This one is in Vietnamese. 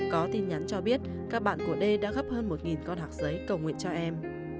có tin nhắn cho biết các bạn của d đã gấp hơn một con học giấy cầu nguyện cho em